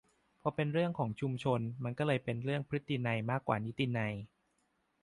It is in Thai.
พอเป็นเรื่องของชุมชน มันเลยเป็นเรื่อง"พฤตินัย"มากกว่านิตินัย